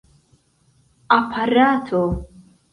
aparato